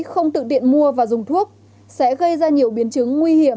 không tự mua và dùng thuốc sẽ gây ra nhiều biến chứng nguy hiểm